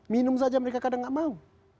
minum saja mereka kadang nggak mau